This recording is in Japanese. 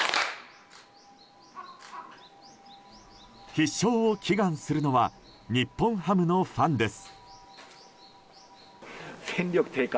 必勝を祈願するのは日本ハムのファンです。